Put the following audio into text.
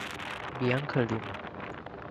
Bianca Lima